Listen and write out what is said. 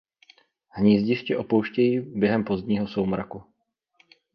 Hnízdiště opouštějí během pozdního soumraku.